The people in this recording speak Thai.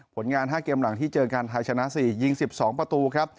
ผลงาน๕เกมหลังที่เจอกันไทยชนะ๔ยิง๑๒ประตูครับ